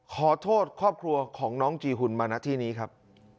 ขอโทษครอบครัวของน้องจีหุ่นมาณที่นี้ครับ